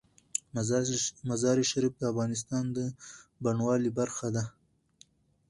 مزارشریف د افغانستان د بڼوالۍ برخه ده.